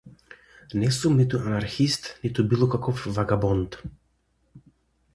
Не сум ниту анархист ниту било каков вагабонт.